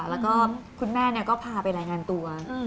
แล้วก็คุณแม่ก็พาไปรายงานตัว